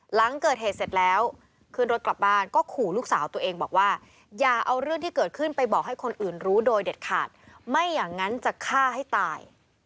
หลังเกิดเหตุเสร็จแล้วขึ้นรถกลับบ้านก็ขู่ลูกสาวตัวเองบอกว่าอย่าเอาเรื่องที่เกิดขึ้นไปบอกให้คนอื่นรู้โดยเด็ดขาดไม่อย่างนั้นจะฆ่าให้ตาย